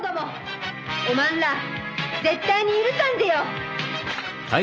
お前ら絶対に許さんぜよ！